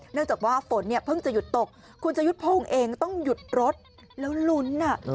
เนื่องจากว่าฝนเพิ่งจะหยุดตกคุณจะหยุดโพงเองต้องหยุดรถแล้วหลุน